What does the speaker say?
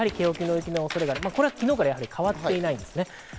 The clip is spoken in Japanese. これは昨日からやはり変わっていないですね。